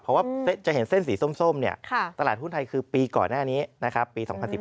เพราะว่าจะเห็นเส้นสีส้มตลาดหุ้นไทยคือปีก่อนหน้านี้นะครับปี๒๐๑๘